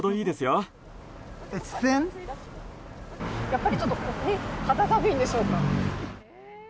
やっぱりちょっと肌寒いんでしょうか。